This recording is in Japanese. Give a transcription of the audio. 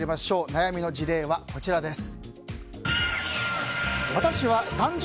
悩みの事例、こちらです。